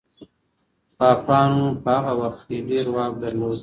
پاپانو په هغه وخت کي ډېر واک درلود.